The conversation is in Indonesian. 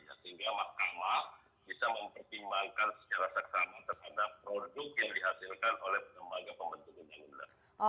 sehingga mahkamah bisa mempertimbangkan secara saksama terhadap produk yang dihasilkan oleh pengembangnya pembentukan yang benar